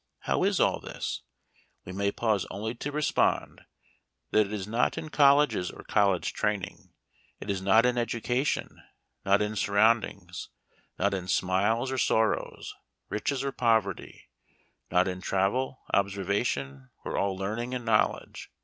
How is all this ? We may pause only to respond that it is not in colleges or college training ; it is not in education ; not in surroundings ; not in smiles or sorrows, riches or poverty ; not in travel, observation, or all learning and knowledge.